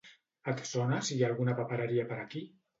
Et sona si hi ha alguna papereria per aquí?